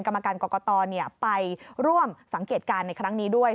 กรรมการกรกตไปร่วมสังเกตการณ์ในครั้งนี้ด้วย